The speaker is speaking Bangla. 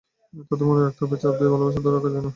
তাঁদের মনে রাখতে হবে, চাপ দিয়ে ভালোবাসা ধরে রাখা যায় না।